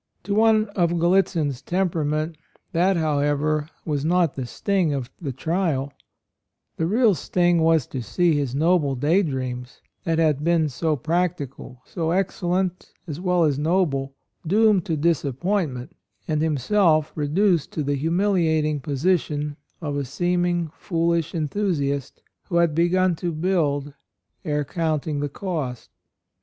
To one of Gallitzin's temperament that, however, was not the sting of the trial: the real sting was to see his noble daydreams — that had been so practical, so excel lent as well as noble — doomed to disappointment, and himself reduced to the humiliating posi tion of a seeming foolish enthu siast who had begun to build ere counting the cost.